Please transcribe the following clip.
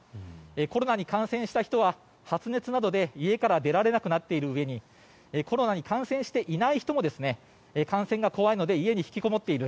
コロナに感染した人は発熱などで家から出られなくなっているうえにコロナに感染していない人も感染が怖いので家に引きこもっている。